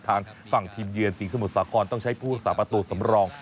ทางฝั่งทีมเยือนศรีสมุทรสาครต้องใช้ผู้รักษาประตูสำรอง